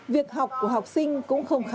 việc học của học sinh cũng không khó